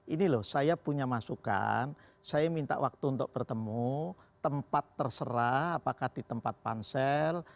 ini loh saya punya masukan saya minta waktu untuk bertemu tempat terserah apakah di tempat pansel